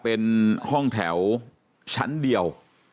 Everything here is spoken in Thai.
เป็นห้องแถวชั้นเดียว